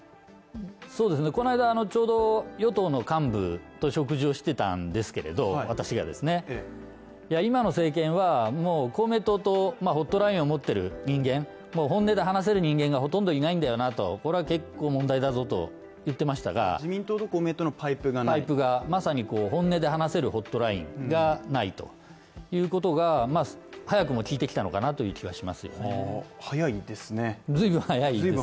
この間ちょうど与党の幹部と食事をしてたんですけれど私が今の政権はもう公明党とホットラインを持ってる人間も本音で話せる人間がほとんどいないんだよなと、これは結構問題だぞと言ってましたが、自民党と公明党のパイプがまさに本音で話せるホットラインがないということが早くも効いてきたのかなという気はします